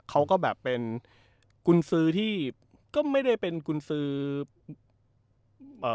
เขาก็แบบเป็นกุญสือที่ก็ไม่ได้เป็นกุญสือเอ่อ